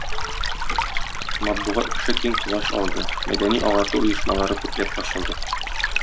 Матбугат эше киң колач алды, мәдәни-агарту оешмалары күпләп ачылды.